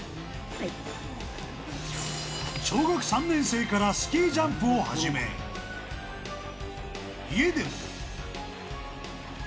小学３年生からスキージャンプを始め、家でも。